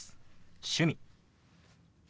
「趣味」。